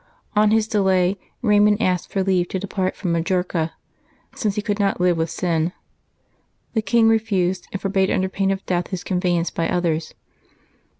On his delay, Raymund asked for leave to depart from Majorca, sinoe he could not live with sin. The king refused, and forbade, under pain of death, his conveyance by others.